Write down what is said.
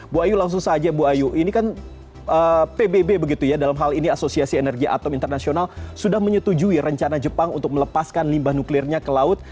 bu ayu langsung saja bu ayu ini kan pbb begitu ya dalam hal ini asosiasi energi atom internasional sudah menyetujui rencana jepang untuk melepaskan limbah nuklirnya ke laut